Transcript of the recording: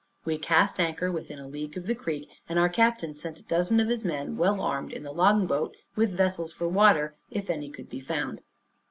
We cast anchor within a league of the creek, and our captain sent a dozen of his men well armed in the long boat, with vessels for water, if any could be found.